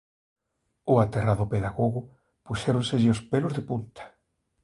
Ó aterrado pedagogo puxéronselle os pelos de punta.